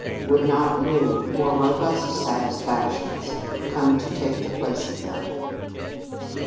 Would not new, more robust satisfactions come to take the place of them?